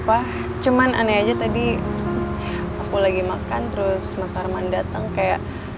wah cuman aneh aja tadi aku lagi makan terus mas harman dateng kayak